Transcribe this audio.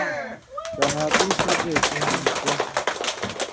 صحابی سو بے کؤں تُھو چے